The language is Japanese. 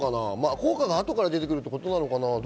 効果が後から出てくるってことかな？